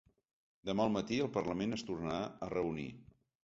Demà al matí el parlament es tornarà a reunir